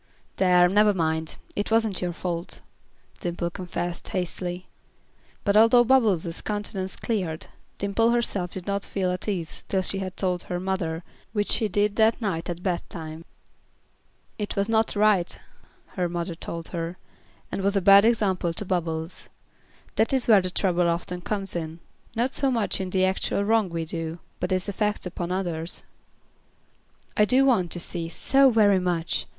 "There, never mind. It wasn't your fault," Dimple confessed, hastily. But although Bubbles' countenance cleared, Dimple herself did not feel at ease till she had told her mother, which she did that night at bedtime. "It was not right," her mother told her, "and was a bad example to Bubbles. That is where the trouble often comes in. Not so much in the actual wrong we do, but its effect upon others." "I do want to see, so very much.